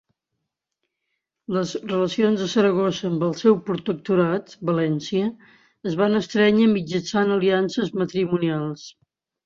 Les relacions de Saragossa amb el seu protectorat, València, es van estrènyer mitjançant aliances matrimonials.